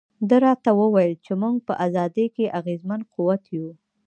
ده راته وویل چې موږ په ازادۍ کې اغېزمن قوت یو.